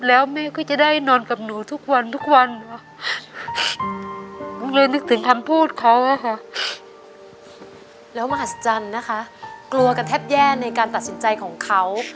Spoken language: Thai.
ตายายเป็นไงคะ